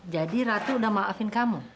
jadi ratu sudah maafkan kamu